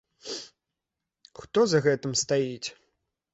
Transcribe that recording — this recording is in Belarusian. Хто за гэтым стаіць?